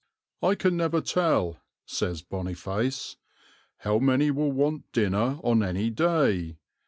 "I can never tell," says Boniface, "how many will want dinner on any day.